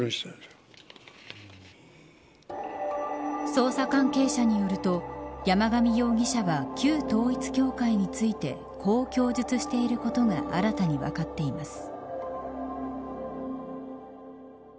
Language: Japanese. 捜査関係者によると山上容疑者は旧統一教会についてこう供述していることが新たに分かってます。